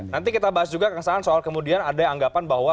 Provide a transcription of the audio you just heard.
nanti kita bahas juga kang saan soal kemudian ada yang anggapan bahwa